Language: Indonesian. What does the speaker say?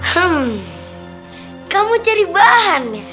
hmm kamu cari bahannya